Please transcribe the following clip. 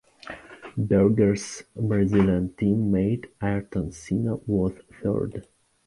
Berger's Brazilian team mate Ayrton Senna was third.